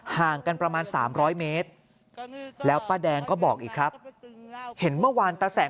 ห่างกันประมาณ๓๐๐เมตรแล้วป้าแดงก็บอกอีกครับเห็นเมื่อวานตาแสง